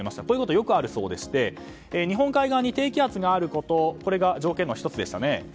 こういうことがよくあるそうで日本海側に低気圧があることが条件の１つでしたね。